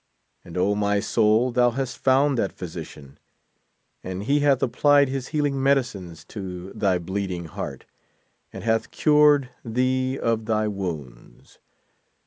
And O, my soul, thou hast found that phy sician, and he hath applied his healing medicines to thy bleeding heart, and hath cured the of tlw wounds.